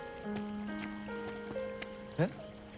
えっ？